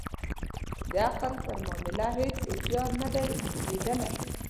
د عقل پر معامله هیڅ اوښیار نه دی لېدلی.